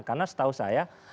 karena setahu saya